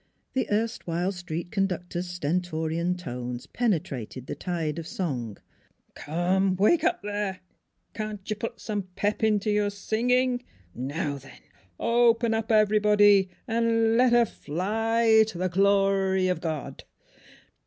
The erstwhile street car conductor's stentorian tones penetrated the tide of song: " Come ! wake up there ! Can't you put some pep int' your singing? ... Now, then, open up everybody, an' let her fly t' th' glory o' God